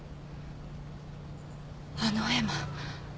あの絵馬。